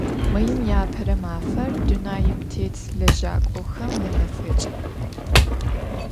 Maim yi Apere mafer – dunaim têt lejak'oxem yamefeç'.